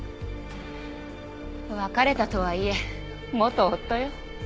別れたとはいえ元夫よ。